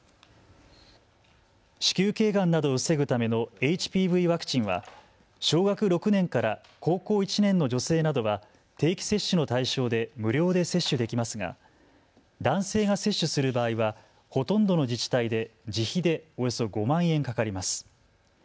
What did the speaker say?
子宮けいがんなどを防ぐためのＨＰＶワクチンは小学６年から高校１年の女性などは定期接種の対象で無料で接種できますが男性が接種する場合はほとんどの自治体で自費でおよそ５万円かかります。